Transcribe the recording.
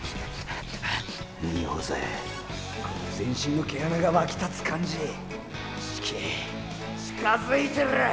臭うぜこの全身の毛穴が沸き立つ感じ近え近づいてる！